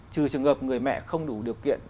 trừ trường hợp người mẹ không đủ điều kiện